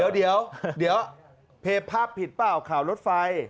เดี๋ยวเพย์ภาพผิดเปล่าข่าวรถไฟ